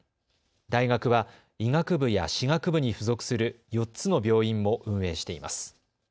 大学は医学部や歯学部に付属する４つの病院も運営しています。